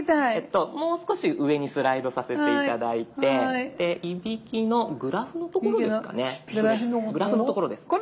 もう少し上にスライドさせて頂いていびきのグラフの所ですかね。